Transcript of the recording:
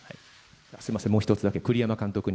すみません、もう一つだけ、栗山監督に。